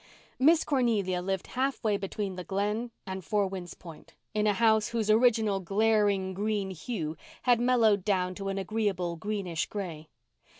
Miss Cornelia lived half way between the Glen and Four Winds Point, in a house whose original glaring green hue had mellowed down to an agreeable greenish gray.